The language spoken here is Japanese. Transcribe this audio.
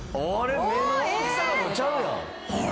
あれ？